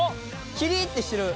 「キリッてしてる」